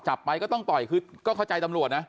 ไปก็ต้องปล่อยคือก็เข้าใจตำรวจนะ